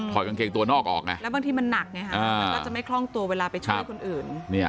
ถอดกางเกงตัวนอกออกแล้วบางทีมันหนักจะไม่คล่องตัวเวลาไปช่วยคนอื่น